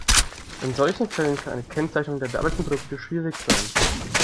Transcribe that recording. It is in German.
In solchen Fällen kann eine Kennzeichnung der bearbeiteten Produkte schwierig sein.